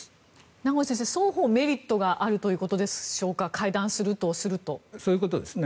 名越先生、双方メリットがあるということでしょうかそういうことですね。